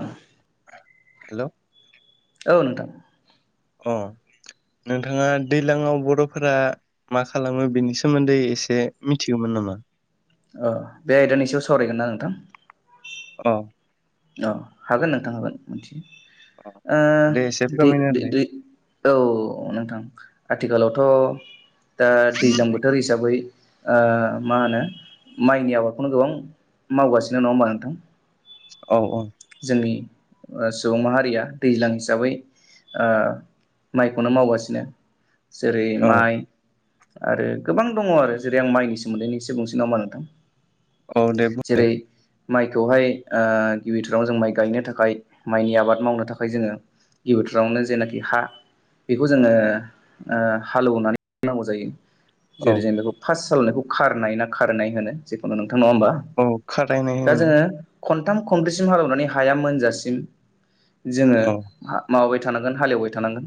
उम हेलौ औ नोंथां। अ नोंथाङा दैज्लांङाव बरफोरा मा खालामो बेनि सोमोन्दै एसे मिथिगौमोन नामा? नामा? अ बे आयदानि सायाव सावरायगोन ना नोंथां? औ औ हागोन नोंथां हागोन मिथि औ ओ दे एसे फोरमायना होलाय दै औ नोंथां आथिखालावथ दा दैज्लां बोथोर हिसाबै ओ मा होनो माइनि आबादखौनो गोबां मावगासिनो नंङा होमबा नोंथां? औ औ जोंनि ओ सुबुं माहारिया दैज्लां हिसाबै ओ माइखौनो मावगासिनो जेरै- औ माइ आरो गोबां दंङ आरो जेरै- आं माइनि सोमोन्दैसे बुंसेन नामा नोंथां? औ दे बुं दे। जेरै माइखौहाय ओ गिबि जों माइ गायनो थाखाय माइनि आबाद मावनो थाखाय जोंङो गि बोथोरावनो जेनाखि हा बेखौ जोंङो ओ हालेवनानै नांगौ जायो। औ जेरै- जों बेखौ फार्स्ट सालायनायखौ खारनाय ना खारनाय होनो जेखुनु नङा होमबा औ खारायनाय दा होनो जोंङो खनथाम खनब्रैसिम हालेवनानै हाया मोनजासिम जोंङो औ हा माबा थांगोन हालएवबाय थानांगोन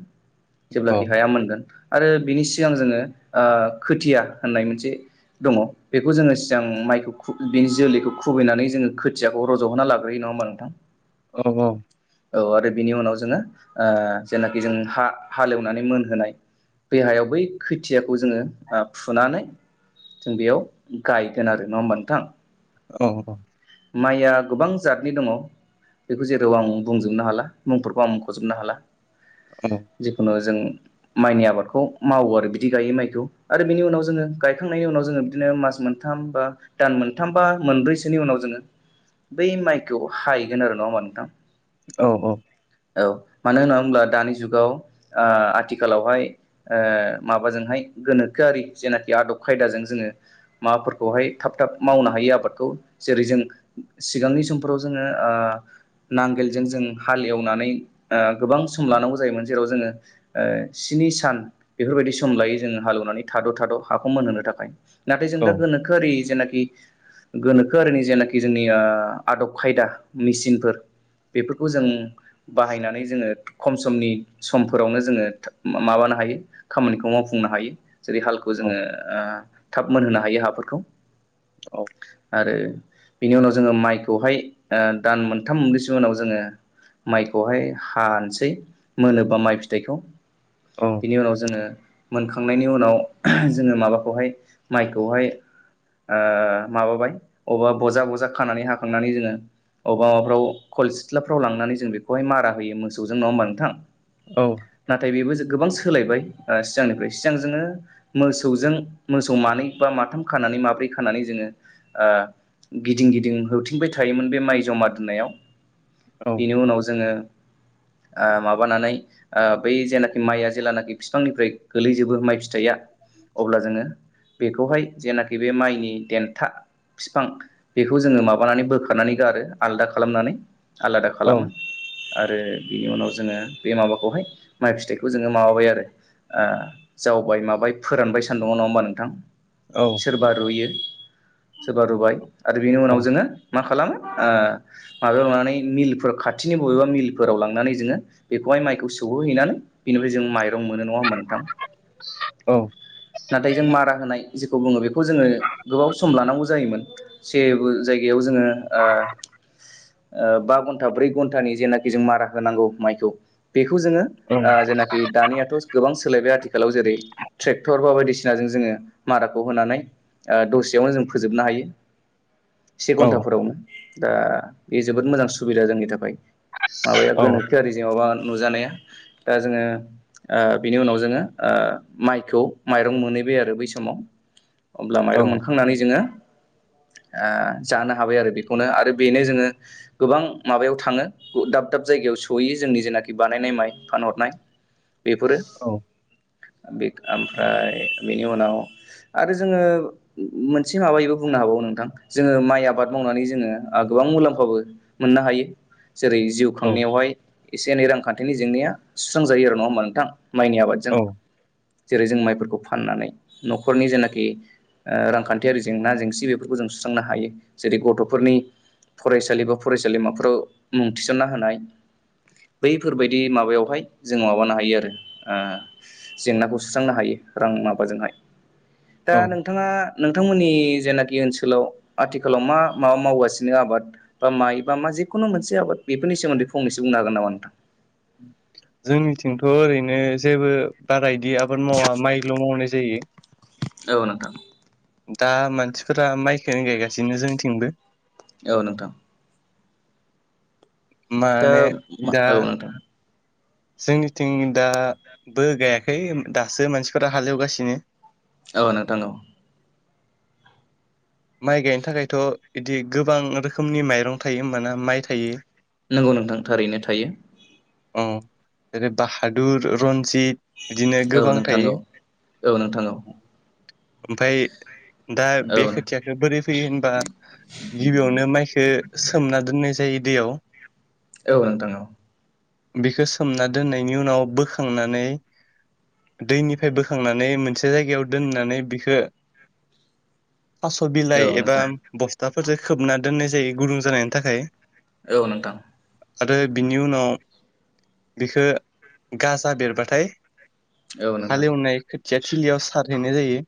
औ जेब्लाखि हाया मोनगोन आरो बिनि सिगां जोंङो ओ खोथिया होननाय मोनसे दङ बेखौ जोंङो सिगां माइखौ बिनि जोलैखौ खुबैनानै जोंङो खोथियाखौ रजहोनना लागोन। नंङा होनबा नोंथां? औ औ औ आरो बिनि उनाव जोंङो ओ जेनाखि जों हालेवनानै मोनहोनाय बे हायाव बै खोथियाखौ जोंङो आ फुनानै जों बेयाव गायगोन आरो नंङा होमबा नोंथां। औ औ माइया गोबां जादनि दंङ बेखौ जेराव आं बुंजोबनो हाला मुंफोरखौ आंखजोबनो हाला जिखुनु जों माइनि आबादखौ मावो आरो बिदि गायो माइखौ आरो बिनि उनाव जोङो गायखांनायनि उनाव जोङो बिदिनो मास मोनथाम बा दान मोनथाम बा मोनब्रैसोनि उनाव जोङो‌ [inaudible] बै माइखौ हाहैगोन आरो नङा होमबा नोंथां। औ औ। औ मानो होनना बुङोब्ला दानि जुगाव आथिखालावहाय माबाजोंहाय। गोनोखोआरि जेनाखि आदब खायदाजों जोङो माबाफोरखौहाय थाब थाब मावनो हायि आबादखौ जेरै जों सिगांनि समफोराव जोङो। नांगोलजों जों हाल एवनानै गोबां सम लानांगौ जायोमोन जेराव जोङो। स्नि सान बेफोरबायदि सम लायो जोङो हालेवनानै थाद' थाद' हाखौ मोनहोनो थाखाय। नाथाय जों औ दा गोनोखोआरि जेनाखि गोनोखोआरिनि जेनाखि जोंनि आदब खायदा मेसिनफोर बेफोरखौ जों बाहायनानै जोङो। खम समनि समफोरावनो जोङो माबानो हायो खामानिखौ मावफुंनो हायो। जेरै हालखौ जोङो थाब मोनहोनो हायो हाफोरखौ औ आरो। बिनि उनाव जोङो माइखौहाय दान मोनथाम मोनब्रैसो उनाव जोङो। माइखौहाय हानोसै मोनोबा माइ फिथाइखौ बिनि उनाव जोङो। मोनखांनायनि उनाव जोङो माबाखौहाय माइखौहाय। माबाबाय अबा बजा बजा खानानै हाखांनानै जोङो। अबाफ्राव खल सिथ्लाफ्राव लांनानै जों बेखौहाय मारा होयो मोसौजों नङा होमबा नोंथां। औ नाथाय बेबो जों गोबां सोलायबाय सिगांनिफ्राय सिगां जोङो मोसौजों मोसौ मानै बा माथाम खानानै माब्रै खानानै जोङो गिदिं गिदिं होथिंबाय थायोमोन बे माइ जमा दोननायाव बेनि उनाव जोङो। [inaudible] माबानानै बै जेनाखि माइआ जेेलानाखि बिफांनिफ्राय गोलैजोबो माइ फि फिथाइया अब्ला जोङो बेखौहाय जेनाखि बे माइनि देन्था बिफां। बेखौ जोङो माबानानै बोखारनानै गारो आलदा खालामनानै। आलादा खालामो आरो बिनि उनाव। जोङो बे माबाखौहाय माइ फिथाइखौ जोङो माबाबाय आरो। जावबाय माबाय फोरानबाय सानदुंआव नङा होमबा नोंथां। औ सोरबा रुयो सोरबा रुबाय आरो बिनि उनाव जोङो मा खालामो। माबायाव लानानै मिलफोराव खाथिनि बबेबा मिलफोराव लांनानै जोङो बेखौहाय माइखौ सौहो हैैनानै बिनिफ्राय जों माइ मोनो नङा होमबा नोंथां नाथाय जों मारा होनाय जेखौ बुङो बेखौ जोङो गोबाव सम लानांगौ जायोमोन। जायगायाव जोङो। बा घन्टा ब्रै घन्टानि जेनाखि जों मारा होनांगौ माइखौ बे जेनाखि दानियाथ' गोबां सोलायबाय आथिखालाव जेरै ट्रेक्टर बा बायदिसिना बायदिसिनाजों जोङो माराखौ होनानै दसेयावनो जों फोजोबनो हायो। से घन्टाफोरावनो दा बे जोबोद मोजां सुबिदा जोंनि थाखाय। माबाया गोनोखोयारि माबा। नुजानाया दा जोङो बिनि उनाव जोङो माइखौ माइरं मोनै आरो बै समाव। [inaudible] अब्ला औ माइरं मोनखांनानै जोङो। जानो हाबाय आरो बेखौनो आरो बेनो जोङो गोबां माबायाव थाङो दाब दाब। जायगायाव सहैयो जोंनि जेनाखि बानायनाय माइ फानहरनाय। [inaudible] बेफोरो औ बे ओमफ्राय बेनि उनाव आरो जोङो मोनसे माबायैबो बुंनो हाबावो नों थां जोङो माइ आबाद मावनानै जोङो आ गोबां मुलाम्फाबो मोननो हायो। जेरै जिउ खांनायावहाय एसे एनै रांखान्थिनि जेंनाया सुस्रांजायो आरो नङा होमबा नोंथां। माइनि आबादजों। जेरै जों माइफोरखौ फाननानै न'खरनि जेनाखि ओ रांखान्थियारि जेंना जेंसि बे बेफोरखौ जों सुस्रांनो हायो जेरै गथ'फोरनि फरायसालि बा फरायसालिमाफोराव मुं थिसन्ना होनाय। बैफोरबायदि माबायावहाय जों माबानो हायो आरो ओह जेंनाखौ सुस्रांनो हायो। रां माबाजोंहाय [inaudible] दा नोंथाङा नोंथांमोननि जेनाख नि ओनसोलाव आथिखालाव मा मा मावगासिनो आबाद बा माइ बा मा जिखुनु मोनसे आबाद बेफोरनि नि सोमोन्दै फंनैसो बुंनो हागोन नामा नोंथां। जोंनिथिंथ' ओरैनो जेबो बारा इदि आबाद मावा माइल' मावनाय जायो। [inaudible] औ नोंथां। दा मानसिफोरा माइखोनो गायगासिनो जोंनिथिंबो औ नोंथां। दा माने औ दा नोंथां जोंनिथिं दा बो गायाखै दासो मानसिफोरा हालेवगासिनो। औ नोंथां औ। माइ गायनो थाखायथ' इदि गोबां रोखोमनि माइरं थायो होमबाना माइ थायो। नोंगौ नोंथां थारैनो थायो। अ जेरै बाहादुर रन्ज सिद बिदिनो औ गोबां नोंथां थायो। औ औ नोंथां औ ओमफाय दा बे औ नोंथां खोथियाख बोरै फैयो होनबा गिबियावनो माइखो सोमना दोननाय जायो दैयाव। औ नोंथां औ। बेखो सोमना दोननायनि उनाव बोखांनानै दैनिफ्राय बोखांनानै मोनसे जायगायाव दोननानै बिखो थास' बिलाइ औ एबा नोंथां बस्थाफोरजों खोबना दोननाय जायो गुदुं जानायनि थाखाय। औ नोंथां औ नोंथां आरो बिनि उनाव बिखो गाजा बेरबाथाय हालेवनाय खोथिया थिलियाव सारहैनाय जायो।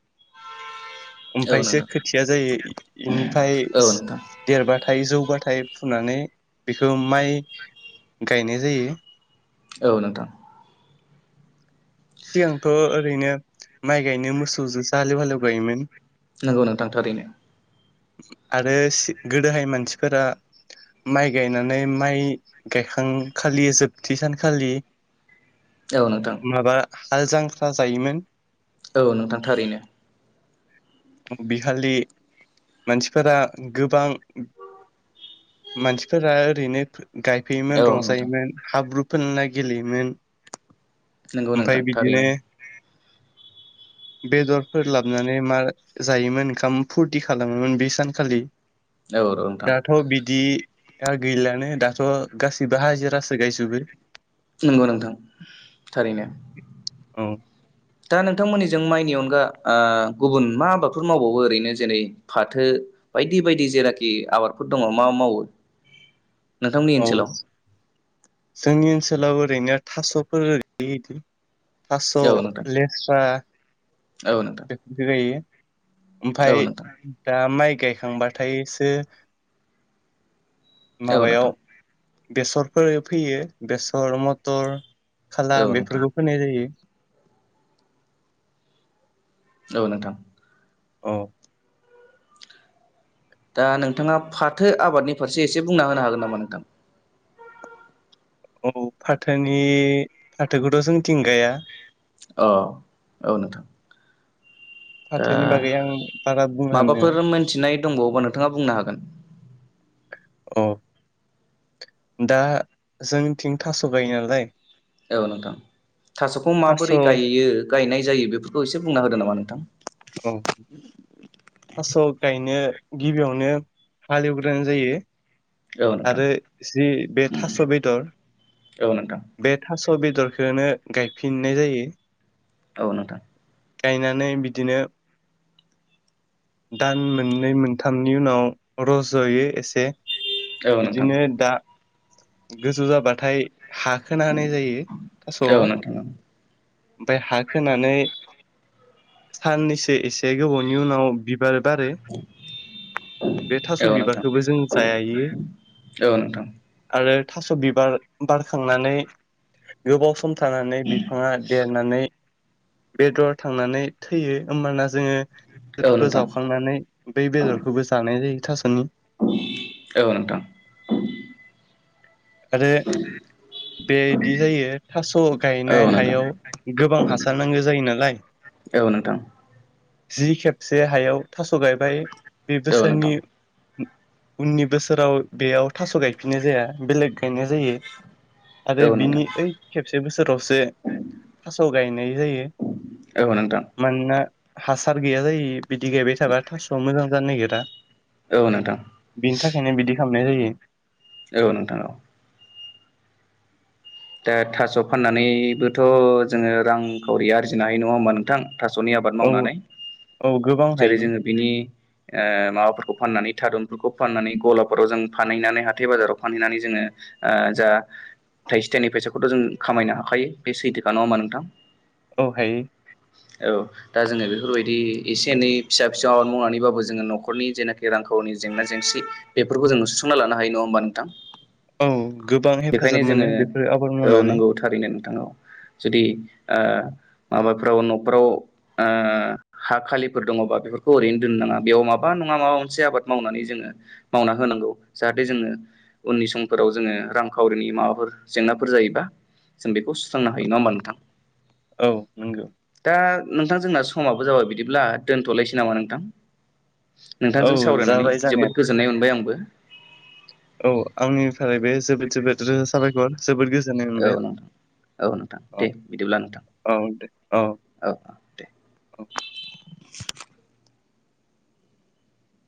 औ ओमफायसो खोथिया जायो इनिफाय सो नोंथां देरबा थाइ जौ बाथाय फुनानै बेखो माइ गायनाय जायो। औ नोंथां। सिगांथ' ओरैनो माइ गायनो मोसौजोसो हालेव हालेव गायोमोन। नोंगौ नोंथां थारैनो। आरो सि गोदोहाय मानसिफोरा माइ गायनानै माइ गायखांखालि जोबथि सानखालि औ नोंथां। माबा हाल जांख्रा जायोमोन। औ नोंथां थारैनो। बिखालि मानसिफोरा गोबां मानसिफोरा ओरैनो फो औ गायफैयोमोन नोंथां रंजायोमोन हाब्रु फोनना गेलेयोमोन। नोंगौ ओमफ्राय नोंथां बिदिनो थारैनो। बेदरफोर लाबनानै मार जायोमोन ओंखाम फुरथि खालामोमोन बे सानखालि। औ औ नोंथां दाथ' बिदि दा गैलानो दाथ' गासैबो हाजिरासो गायजोबो। नंगौ नोंथां थारैनो। औ दा नोंथांमोननिजों माइनि अनगा ओ गुबुन मा आबादफोर मावबावो ओरैनो जेरै फाथो बायदि-बायदि जेनाखि आबादफोर दङ मा मावो? [inaudible] नोंथांमोननि औ ओनसोलाव? जोंनि ओनसोलाव ओरैनो थास'फोर [inaudible] थास' औ नोंथां लेस्रा औ नोंथां बेफोरखो गायो। ओमफाय औ नोंथां दा माइ गायखांबाथायसो औ माबायाव नोंथां बेसरफोर फैयो बेसर मथर खाला औ नोंथां बेफोरखौ फोनाय जायो। औ नोंथां। औ। दा नोंथाङा फाथो आबादनि फारसे एसे बुंना होनो हागोन नामा नोंथां? औ फाथोनि फाथोखौथ' जोंथिं गाया। अ औ नोंथां। ओ फाथोनि बागै आं बारा बुंनो हानाय नङा माबाफोर मोनथिनाय दंबावोबा नोंथाङा बुंनो हागोन? अ दा जोंनिथिं थास' गायो नालाय। औ नोंथां थास'खौ थास' माबोरै औ गायो गायनाय जायो बेफोरखौ एसे बुंना होदो नामा नोंथां? औ। थास' गायनो गिबियावनो हालेवग्रोनाय जायो। औ नोंथां आरो जि बे थास' बेदर औ नोंथां बे थास' अ बेदरखौनो गायफिननाय जायो। औ नोंथां। गायनानै बिदिनो दान मोननै मोनथामनि उनाव रज'यो एसे। औ नोंथां बिदिनो दा गोजौ जाबाथाय हा खोना होनाय जायो थास'आव औ नोंथां ओमफाय हा खोनानै साननैसो एसे गोबावनि उनाव बिबार बारो। बे थास' औ नोंथां बिबारखौबो जों जायो औ नोंथां आरो थास' बिबार बारखांनानै गोबाव सम थानानै बिफाङा देरनानै बेदर थांनानै थैयो होमबाना जोङो औ नोंथां औ बेदरखौ नोंथां जावखांनानै बै बेदरखौबो जानाय जायो थास'नि। औ नोंथां। [inaudible] बेयायदि जायो थास' औ गायनाय नोंथां हायाव गोबां हासार नांगो जायो नालाय। औ नोंथां। जि खेबसे हायाव थास' गायबाय बे औ नोंथां औ बोसोरनि नोंथां उननि बोसोराव बेयाव थास' गायफिननाय जाया बेलेग गायनाय जायो। आरो बिनि ओइ खेबसे बोसोरावसो थास' गायनाय जायो। औ नोंथां मानोना हासार गैया जायो बिदि गायबाय थाबा थास'वा मोजां जानो नागिरा। औ बिनि थाखायनो बिदि खामनाय जायो। औ नोंथां औ। दा थास' फाननानैबोथ' जोङो रांखावरि आरजिनो हायो नङा होमबा नोंथां? थास'नि आबाद औ मावनानै औ गोबां जेरै हायो जोङो बिनि ओ माबाफोर फाननानै थारुनफोरखौ फाननानै गलाफोराव जों फानहैनानै हाथाय बाजाराव फानहैनानै जोङो ओ जा थाइसे थाइनै फैसाखौथ' जों खामायनो हाखायो बे सैथोखा नङामबा नोंथां? औ हायो। औ दा जोङो बेफोरबायदि एसे एनै फिसा फिसौ आबाद मावनानैबाबो जोङो न'खरनि जेनाखि रांखावरनि जेंना जेंसि बेफोरखौ जों सुख फुंना लानो हायो नङा होनबा नोंथां? औ गोबां हेफाजाब बेखायनो मोनो जोङो बेफोर आबाद औ मावनानै नंगौ थारैनो नोंथां औ जुदि ओ माबाफ्राव न'फ्राव ओ हा खालिफोर दङबा बेफोरखौ ओरैनो दोननो नाङा बेयाव माबा नङा माबा मोनसे आबाद मावनानै जोङो मावना होनांगौ। जाहाथे जोङो उननि समफोराव जोङो रांखावरिनि माबाफोर जेंनाफोर जायोबा जों बेखौ सुस्रांना हायो नङा होनबा नोंथां? औ नंगौ दा नोंथां जोंना समाबो जाबाय बिदिब्ला दोनथ'लायसै नामा नोंथां? औ नोंथांजों सावरायनानै जाबाय जोबोद जानायाथ' गोजोननाय मोनबाय आंबो। ओ बे जोबोद जोबोद रोजा साबायखर जोबोद गोजोननाय औ मोनबाय। नोंथां औ नोंथां औ दे बिदिब्ला नोंथां औ दे औ औ दे। औ